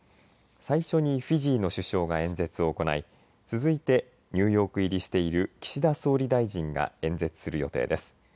最初にフィジーの首相が演説を行い続いてニューヨーク入りしている岸田総理大臣が演説する予定です。